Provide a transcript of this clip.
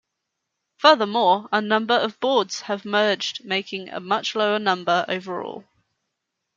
Furthermore, a number of boards have merged making a much lower number overall.